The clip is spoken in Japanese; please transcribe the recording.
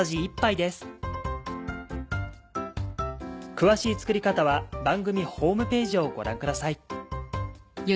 詳しい作り方は番組ホームページをご覧ください。